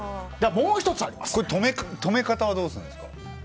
これ、止め方はどうするんですか？